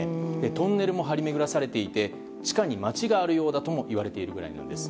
トンネルも張り巡らされていて地下に街があるようだともいわれているぐらいなんです。